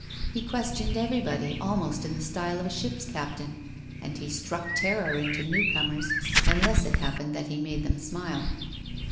He questioned everybody almost in the style of a ship's captain, and he struck terror into newcomers, unless it happened that he made them smile.